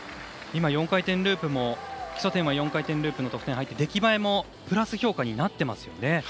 ４回転ループも基礎点は４回転ループの得点が入って出来栄えもプラス評価になっていますよね。